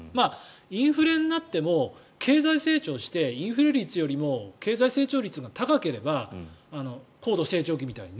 インフレになっても経済成長してインフレ率よりも経済成長率が高ければ高度成長期みたいに。